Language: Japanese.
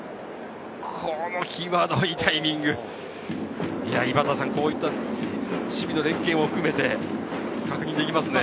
この際どいタイミング、こういった守備の連係も含めて確認できますね。